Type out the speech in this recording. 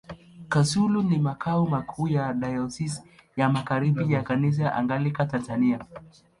Kasulu ni makao makuu ya Dayosisi ya Magharibi ya Kanisa Anglikana Tanzania.